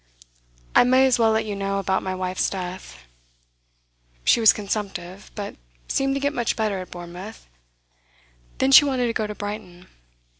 I may as well let you know about my wife's death. She was consumptive, but seemed to get much better at Bournemouth; then she wanted to go to Brighton.